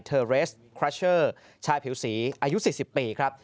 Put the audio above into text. เทอร์เรสคลัชเชอร์ชายผิวสีอายุ๔๐ปีครับ